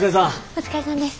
お疲れさんです。